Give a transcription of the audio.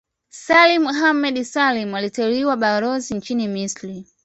Salim Ahmed Salim aliteuliwa Balozi nchini Misri